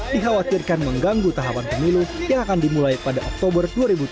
dikhawatirkan mengganggu tahapan pemilu yang akan dimulai pada oktober dua ribu tujuh belas